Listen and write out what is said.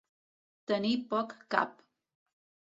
Tenir poc cap.